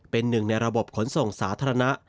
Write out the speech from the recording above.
เป็นหนึ่งในระบบขนส่งสาธารณะ